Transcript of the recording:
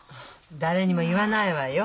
誰にも言わないわよ。